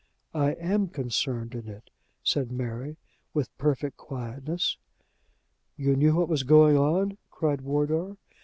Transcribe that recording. "I am concerned in it," said Mary, with perfect quietness. "You knew what was going on?" cried Wardour.